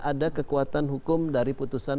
ada kekuatan hukum dari putusan